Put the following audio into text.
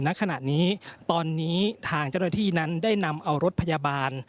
ณขณะนี้ตอนนี้ทางเจ้าหน้าที่นั้นได้นำเอารถพยาบาล